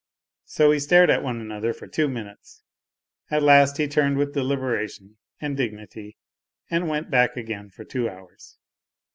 So we stared at one another for two minutes ; at last he turned with deliberation and dignity and went back again for two hours.